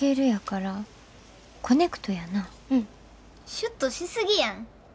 シュッとしすぎやん。